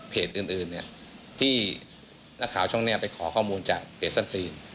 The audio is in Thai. เพจอื่นเนี่ยที่นักข่าวช่องเนี่ยไปขอข้อมูลจากเพจส้นตีน